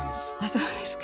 そうですか。